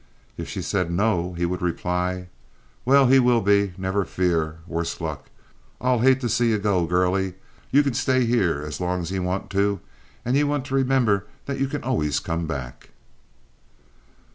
If she said, "No," he would reply: "Well, he will be, never fear—worse luck. I'll hate to see ye go, girlie! You can stay here as long as ye want to, and ye want to remember that you can always come back."